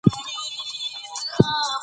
د حکایت یو خصوصیت دا دئ، چي لنډ يي.